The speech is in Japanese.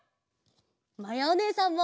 まやおねえさんも！